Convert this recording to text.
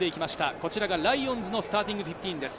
こちらがライオンズのスターティングフィフティーンです。